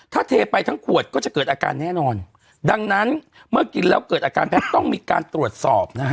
ถ้าเทไปทั้งขวดก็จะเกิดอาการแน่นอนดังนั้นเมื่อกินแล้วเกิดอาการแพทย์ต้องมีการตรวจสอบนะฮะ